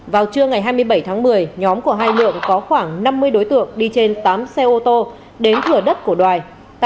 vào trưa ngày hai mươi bảy tháng một mươi nhóm của hai lượng có khoảng năm mươi đối tượng đi trên tám xe ô tô đến thửa đất của đoài